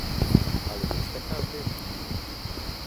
Ali veste kaj o tem?